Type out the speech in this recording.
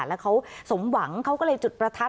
แล้วเขาสมหวังเขาก็เลยจุดประทัด